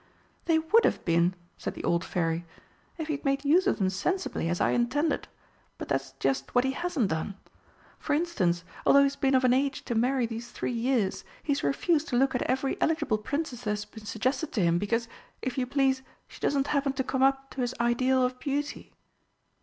"They would have been," said the old Fairy, "if he'd made use of them sensibly, as I intended. But that is just what he hasn't done. For instance, although he's been of an age to marry these three years, he's refused to look at every eligible Princess that has been suggested to him because, if you please, she doesn't happen to come up to his ideal of beauty!"